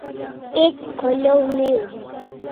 Page kholaw ne hiu dai